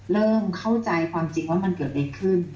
เริ่มเข้าใจความจริงว่ามันเกิดอะไรขึ้น